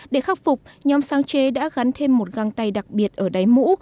để khắc phục nhóm sáng chế đã gắn thêm một găng tay đặc biệt ở đáy mũ